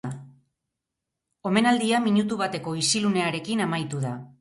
Omenaldia minutu bateko isilunearekin amaitu da.